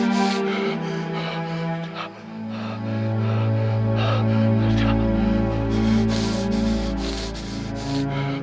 saya memang pecunda